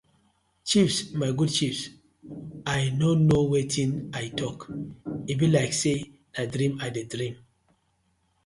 Chiefs my good chiefs I no kno wetin tok e bi like say na dream I dey dream.